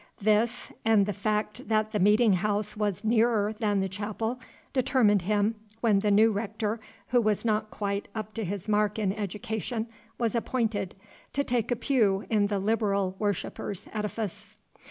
This, and the fact that the meeting house was nearer than the chapel, determined him, when the new rector, who was not quite up to his mark in education, was appointed, to take a pew in the "liberal" worshippers' edifice.